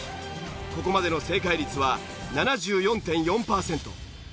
ここまでの正解率は７４．４パーセント。